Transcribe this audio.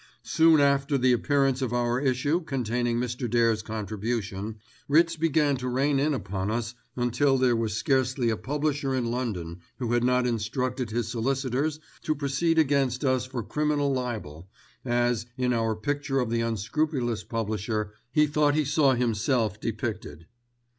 Soon after the appearance of our issue containing Mr. Dare's contribution, writs began to rain in upon us until there was scarcely a publisher in London who had not instructed his solicitors to proceed against us for criminal libel, as, in our picture of the unscrupulous publisher, he thought he saw himself depicted.